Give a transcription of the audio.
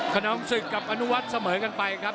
ขนอมศึกกับอนุวัฒน์เสมอกันไปครับ